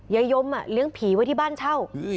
ยายยมเลี้ยงผีไว้ที่บ้านเช่า